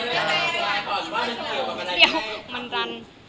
เดี๋ยวมันรัน